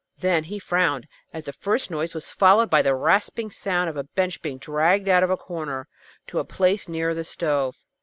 Then he frowned, as the first noise was followed by the rasping sound of a bench being dragged out of a corner, to a place nearer the stove.